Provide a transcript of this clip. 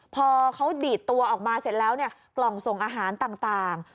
พอเขาดีดตัวออกมาเสร็จแล้วเนี่ยกล่องส่งอาหารต่าง